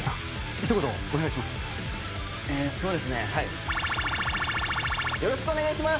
一言お願いします。